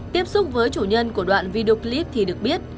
tiếp xúc với chủ nhân của đoạn video clip thì được biết